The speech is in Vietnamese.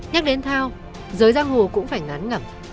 nhắc đến thao giới giang hồ cũng phải ngán ngẩm